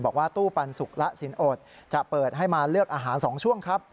บอกว่าตู้ปันสุกละสินอดจะเปิดให้มาเลือกอาหาร๒ช่วงครับ